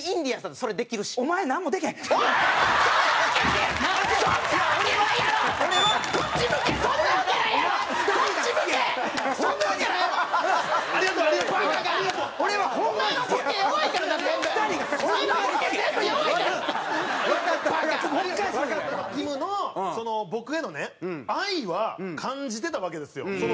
きむの僕へのね愛は感じてたわけですよ。